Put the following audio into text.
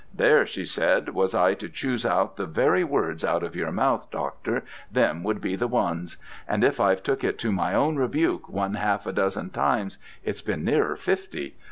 'There,' she said, 'was I to choose out the very words out of your mouth, Doctor, them would be the ones. And if I've took it to my own rebuke one half a dozen times, it's been nearer fifty.